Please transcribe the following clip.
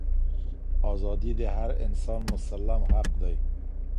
ازادي د هر انسان مسلم حق دی.